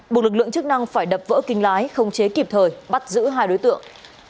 bộ lực lượng chức năng phải đập vỡ kinh lái không chế kịp thời bắt giữ hai đối tượng